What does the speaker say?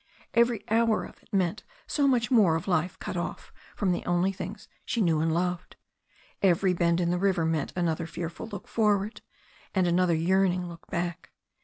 Every hour of it meant so much more of life cut off from the only things she knew and loved. Every bend in the river meant another fearful look forward, and another yearning look back.